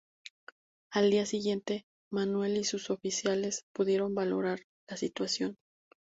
Al día siguiente, Manuel y sus oficiales pudieron valorar la situación.